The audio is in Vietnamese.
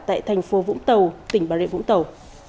tại thành phố vũng tàu tỉnh bà rịa vũng tàu